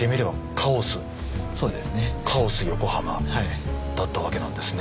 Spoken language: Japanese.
カオス横浜だったわけなんですね。